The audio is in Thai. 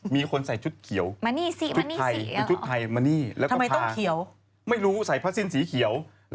มีคนใส่ชุดเขียว